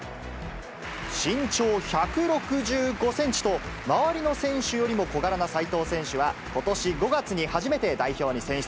身長１６５センチと、周りの選手よりも小柄な齋藤選手は、ことし５月に初めて代表に選出。